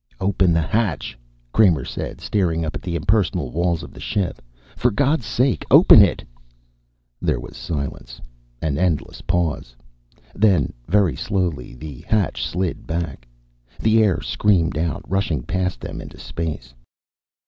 "Open the hatch!" Kramer said, staring up at the impersonal walls of the ship. "For God's sake, open it!" There was silence, an endless pause. Then, very slowly, the hatch slid back. The air screamed out, rushing past them into space.